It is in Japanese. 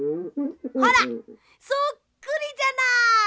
ほらそっくりじゃない！